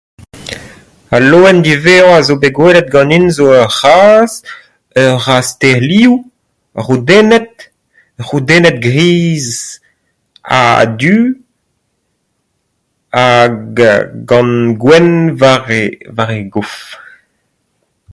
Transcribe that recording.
Al loen diwezhañ a zo bet gwelet ganin zo ur c'hazh, ur c'hazh teir liv, ha roudennet, roudennet griz ha du, hag gant gwenn war e, war e gof.